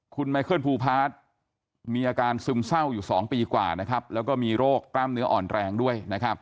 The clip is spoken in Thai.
คุณไมเคิลภูพาร์ทมีอาการซึมเศร้าอยู่๒ปีกว่าแล้วก็มีโรคกล้ามเนื้ออ่อนแรงด้วย